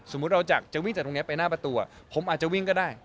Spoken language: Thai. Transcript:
เราจะวิ่งจากตรงนี้ไปหน้าประตูผมอาจจะวิ่งก็ได้